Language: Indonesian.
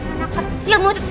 anak kecil mulu